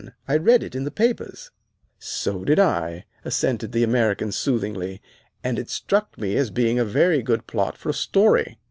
I read it in the papers." "So did I," assented the American soothingly; "and it struck me as being a very good plot for a story.